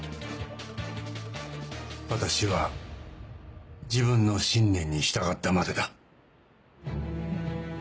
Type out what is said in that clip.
私は自分の信念に従ったまでだ。